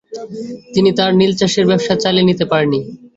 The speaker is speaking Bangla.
তিনি তার নীলচাষের ব্যবসা চালিয়ে নিতে পারেননি।